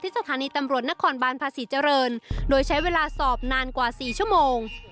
สถานีตำรวจนครบานภาษีเจริญโดยใช้เวลาสอบนานกว่า๔ชั่วโมง